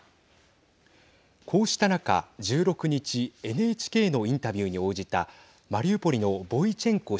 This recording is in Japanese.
こうした中、１６日ＮＨＫのインタビューに応じたマリウポリのボイチェンコ